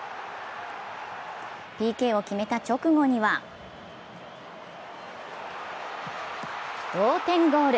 ＰＫを決めた直後には同点ゴール。